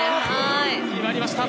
決まりました！